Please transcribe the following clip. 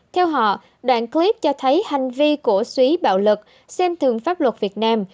theo họ đoạn clip cho thấy hành vi cổ suý bạo lực xem thường pháp luật việt nam